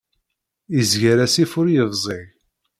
Izger asif ur yebzig.